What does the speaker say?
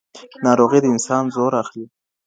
ناروغي د انسان زور اخلي.